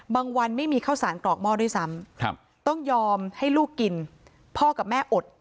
วันไม่มีข้าวสารกรอกหม้อด้วยซ้ำต้องยอมให้ลูกกินพ่อกับแม่อด